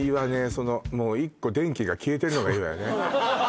その１個電気が消えてるのがいいわよね